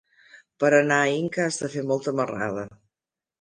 Per anar a Inca has de fer molta marrada.